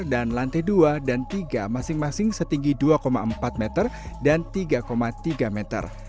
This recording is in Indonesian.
dan lantai dua dan tiga masing masing setinggi dua empat meter dan tiga tiga meter